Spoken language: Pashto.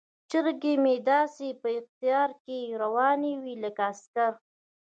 چرګې مې داسې په قطار کې روانې وي لکه عسکر.